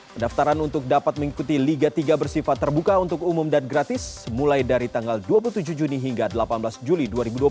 pendaftaran untuk dapat mengikuti liga tiga bersifat terbuka untuk umum dan gratis mulai dari tanggal dua puluh tujuh juni hingga delapan belas juli dua ribu dua puluh